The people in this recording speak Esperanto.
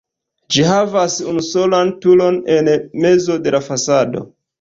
Ĝi havas unusolan turon en mezo de la fasado.